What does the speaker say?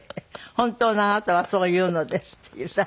本当のあなたはそういうのですっていうさ。